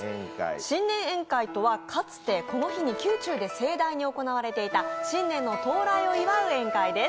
新年宴会とはかつて、この日に宮中で盛大に行われていた新年の到来を祝う宴会です。